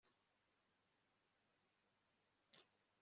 Ntabwo nashoboye gusoma ibyanditswe